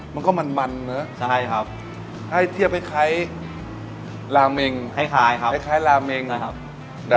มันก็มันเนอะให้เทียบคล้ายลาเมงคล้ายลาเมงใช่ครับ